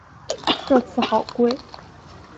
这次好贵